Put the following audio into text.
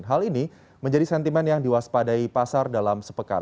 hal ini menjadi sentimen yang diwaspadai pasar dalam sepekan